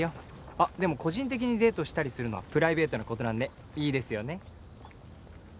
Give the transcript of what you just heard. あっでも個人的にデートしたりするのはプライベートな事なんでいいですよね。